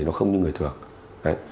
nó không như người thường